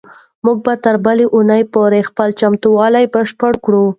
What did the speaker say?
موږ به تر بلې اونۍ پورې خپل چمتووالی بشپړ کړو.